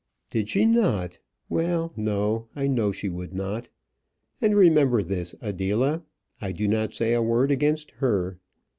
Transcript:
"Did she not? Well no I know she would not. And remember this, Adela: I do not say a word against her.